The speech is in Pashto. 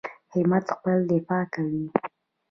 همت خپله دفاع کوي.